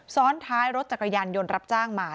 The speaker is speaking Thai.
ซ้อนท้ายรถจักรยานยนต์รับจ้างมา